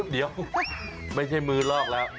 เดี๋ยวไม่ใช่มือลอกแล้ว